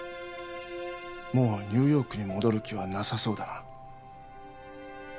もうニューヨークに戻る気はなさそうだな。